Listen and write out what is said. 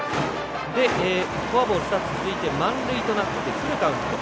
フォアボール２つ続いて満塁となりフルカウント。